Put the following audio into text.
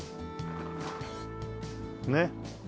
ねっ。